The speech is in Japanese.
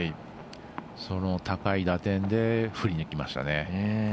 その高い打点で振り抜きました。